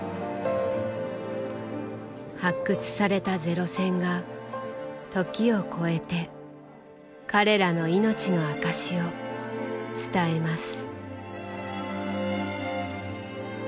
発掘されたゼロ戦が時を超えて彼らの命の証しを伝えます。